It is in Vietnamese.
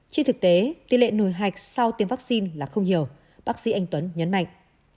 trên thực tế tỷ lệ nổi hạch sau tiêm vaccine là không nhiều bác sĩ anh tuấn nhấn mạnh